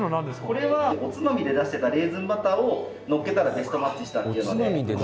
これはおつまみで出してたレーズンバターをのっけたらベストマッチしたっていうので。